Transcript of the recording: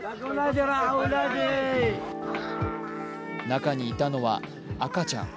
中にいたのは赤ちゃん。